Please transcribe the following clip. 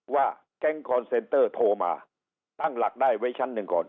ว่าแก๊งคอนเซนเตอร์โทรมาตั้งหลักได้ไว้ชั้นหนึ่งก่อน